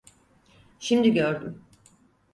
Şimdi gördüm.